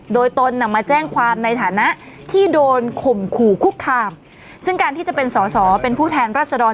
โดยตนนำมาแจ้งความในฐานะที่โดนข่มขู่คุกคามซึ่งการที่จะเป็นสอสอเป็นผู้แทนรัศดร